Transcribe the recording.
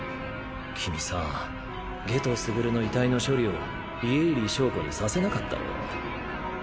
君さ夏油傑の遺体の処理を家入硝子にさせなかったろ。